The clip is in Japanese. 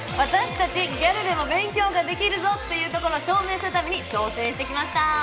私たちギャルでも勉強ができるぞ！ということを証明するために挑戦してきました。